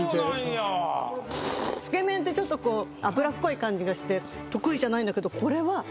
つけ麺ってちょっとこう脂っこい感じがして得意じゃないんだけどこれは。